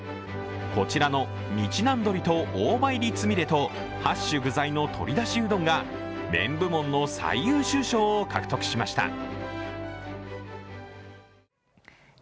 こちらの日南鶏と大葉入りつみれと８種具材の鶏だしうどんが麺部門の最優秀賞を獲得しました。